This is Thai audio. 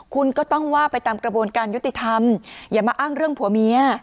คุณก็ต้องว่าไปตามกระบวนการยุติธรรมอย่ามาอ้างเรื่องผัวเมีย